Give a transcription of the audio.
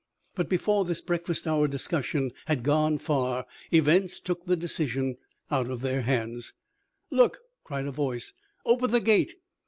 But before this breakfast hour discussion had gone far events took the decision out of their hands. "Look!" cried a voice. "Open the gate!"